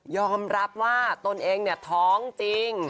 อมรับว่าตนเองเนี่ยท้องจริง